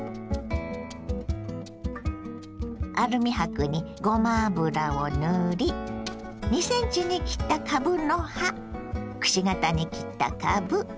アルミ箔にごま油を塗り２ｃｍに切ったかぶの葉くし形に切ったかぶ。